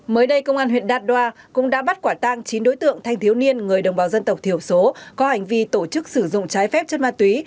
mới đây công an huyện đạt đoa cũng đã bắt quả tang chín đối tượng thanh thiếu niên người đồng bào dân tộc thiểu số có hành vi tổ chức sử dụng trái phép chất ma túy